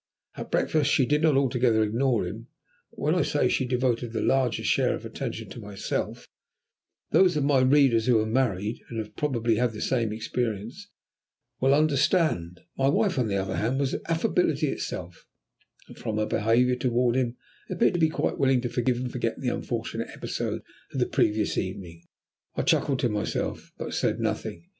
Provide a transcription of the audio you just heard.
At breakfast she did not altogether ignore him, but when I say that she devoted the larger share of her attention to myself, those of my readers who are married, and have probably had the same experience, will understand. My wife, on the other hand, was affability itself, and from her behaviour toward him appeared to be quite willing to forgive and forget the unfortunate episode of the previous evening. I chuckled to myself, but said nothing.